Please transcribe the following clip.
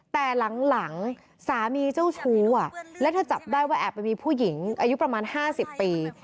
แต่หลังสามีเจ้าชู้และเธอจับได้ว่าแอบไปมีผู้หญิงอายุประมาณ๕๐ปี